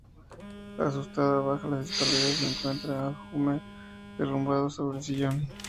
Asustada, baja las escaleras y encuentra a Homer derrumbado sobre el sillón.